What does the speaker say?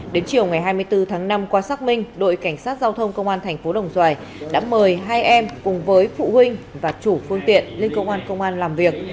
đến chiều ngày hai mươi bốn tháng năm qua sắc minh đội cảnh sát giao thông công an tp đồng xoài đã mời hai em cùng với phụ huynh và chủ phương tiện lên công an công an làm việc